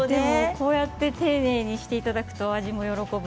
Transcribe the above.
こうやって丁寧にしていただくとあじも喜ぶ。